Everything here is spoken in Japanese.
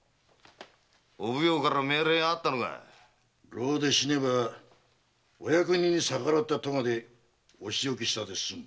牢で死ねばお役人に逆らった咎でお仕置きをしたで済む。